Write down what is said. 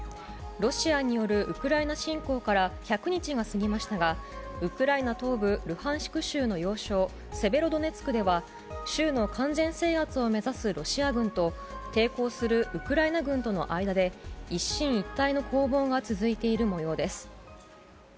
ロシアによるウクライナ侵攻から１００日が過ぎましたが、ウクライナ東部ルハンシク州の要衝セベロドネツクでは、州の完全制圧を目指すロシア軍と、抵抗するウクライナ軍との間で、一進一退の攻防が続いているもようです。